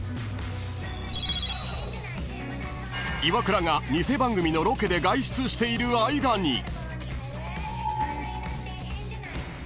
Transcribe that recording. ［イワクラが偽番組のロケで外出している間に］